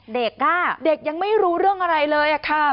เด็กอ่ะเด็กยังไม่รู้เรื่องอะไรเลยค่ะ